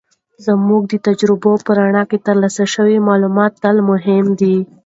زموږ د تجربو په رڼا کې، ترلاسه شوي معلومات تل مهم دي.